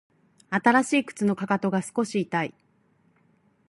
新しい靴のかかとが少し痛い